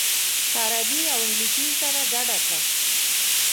عربي او انګلیسي یې سره ګډه کړه.